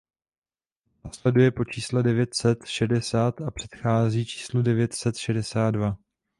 Následuje po čísle devět set šedesát a předchází číslu devět set šedesát dva.